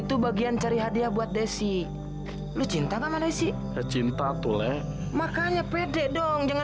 itu bagian cari hadiah buat desi lu cinta sama desi cinta tuleh makanya pede dong jangan